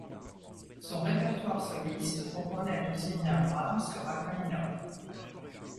Son répertoire soliste comprenait aussi bien Brahms que Rachmaninoff.